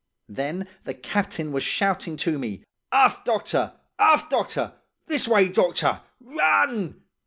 Then the captain was shouting to me: "'Aft, doctor! Aft, doctor! This way, doctor! Run!